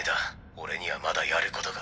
俺にはまだやることが。